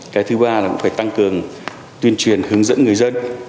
cái thứ ba là cũng phải tăng cường tuyên truyền hướng dẫn người dân